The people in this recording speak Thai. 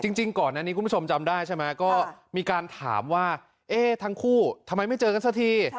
จริงก่อนอันนี้คุณผู้ชมจำได้ใช่ไหมก็มีการถามว่าเอ๊ะทั้งคู่ทำไมไม่เจอกันสักที